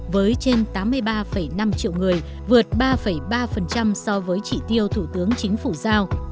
với trên tám mươi ba năm triệu người vượt ba ba so với trị tiêu thủ tướng chính phủ giao